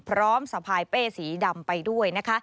พร้อมสะพายเป้สีดำไปด้วย